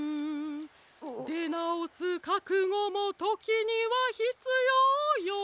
「でなおすかくごもときにはひつようよ」